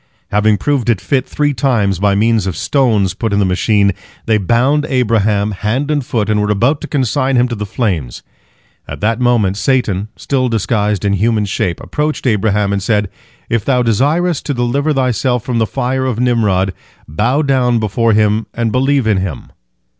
Having proved it fit three times by means of stones put in the machine, they bound Abraham, hand and foot, and were about to consign him to the flames. At that moment Satan, still disguised in human shape, approached Abraham, and said, "If thou desirest to deliver thyself from the fire of Nimrod, bow down before him and believe in him."